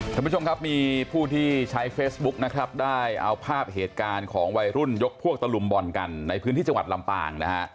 ท่านผู้ชมครับมีผู้ที่ใช้เฟซบุ๊กนะครับได้เอาภาพเหตุการณ์ของวัยรุ่นยกพวกตะลุมบ่อนกันในพื้นที่จังหวัดลำปางนะฮะ